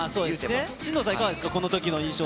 新藤さん、いかがですか。